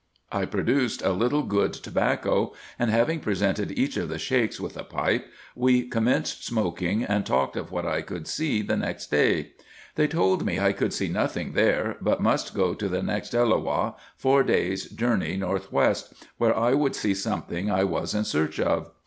I produced a little good tobacco, and having presented each of the Sheiks with a pipe, we commenced smoking, and talked of what I could see the next day. They told me I could see nothing there, but must go to the next EUoah, four days' journey north west, where 406 RESEARCHES AND OPERATIONS I would see something I was in search of.